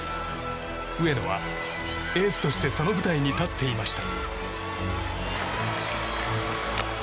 上野は、エースとしてその舞台に立っていました。